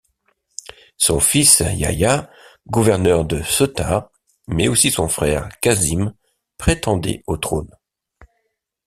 Son fils Yâhya, gouverneur de Ceuta mais aussi son frère Qâsim prétendaient au trône.